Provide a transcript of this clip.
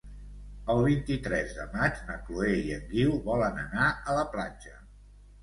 El vint-i-tres de maig na Chloé i en Guiu volen anar a la platja.